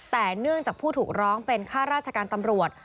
แต่เนื่องจากผู้ถูกร้องเป็นข้าราชการตำรวจ